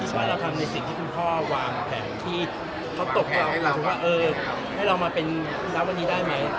ให้เรามาเป็นรับวันนี้ได้ไหม